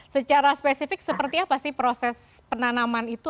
secara spesifik seperti apa sih proses penanaman itu